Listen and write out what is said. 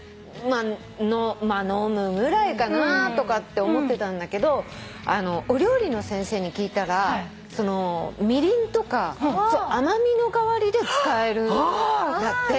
まあ飲むぐらいかなとかって思ってたんだけどお料理の先生に聞いたらみりんとか甘味の代わりで使えるんだって。